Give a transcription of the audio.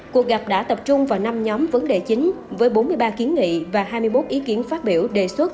cuộc gặp đã tập trung vào năm nhóm vấn đề chính với bốn mươi ba kiến nghị và hai mươi một ý kiến phát biểu đề xuất